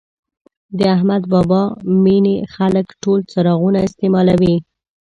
د احمدشاه بابا مېنې خلک ټول څراغونه استعمالوي.